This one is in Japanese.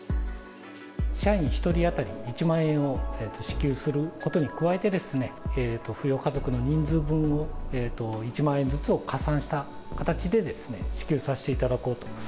社員１人当たり１万円を支給することに加えて、扶養家族の人数分を、１万円ずつを加算した形で支給させていただこうと。